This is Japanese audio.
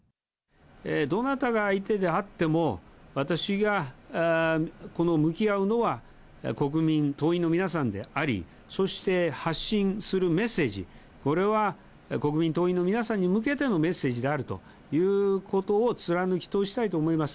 どなたが相手であっても、私が向き合うのは国民、党員の皆さんであり、そして発信するメッセージ、これは国民、党員の皆さんに向けてのメッセージであるということを貫き通したいと思います。